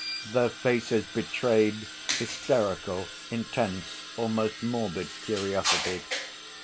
Their faces betrayed hysterical, intense, almost morbid, curiosity.